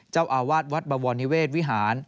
เจ้าอาวาสวัสดิ์บรรวณิเวศร์วิหาร